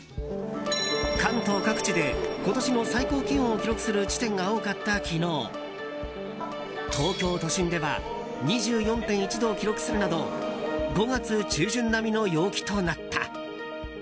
関東各地で、今年の最高気温を記録する地点が多かった昨日東京都心では２４．１度を記録するなど５月中旬並みの陽気となった。